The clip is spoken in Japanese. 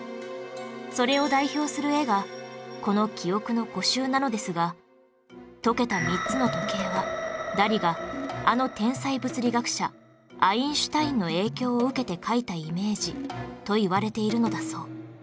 それを代表する絵がこの『記憶の固執』なのですが溶けた３つの時計はダリがあの天才物理学者アインシュタインの影響を受けて描いたイメージといわれているのだそう